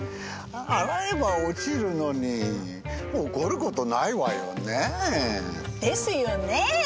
洗えば落ちるのに怒ることないわよね。